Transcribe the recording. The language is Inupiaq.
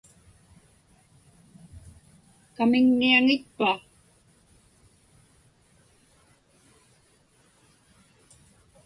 Kamiŋniaŋitpa?